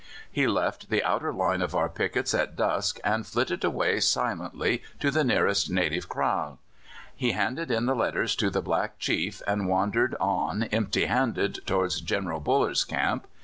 He left the outer line of our pickets at dusk, and flitted away silently to the nearest native kraal; he handed in the letters to the black chief, and wandered on empty handed towards General Buller's camp.